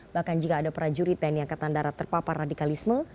bahkan jika ada prajurit tni angkatan darat terpapar radikalisme